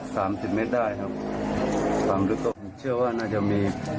สามสิบเมตรได้ครับความรู้ตัวผมเชื่อว่าน่าจะมี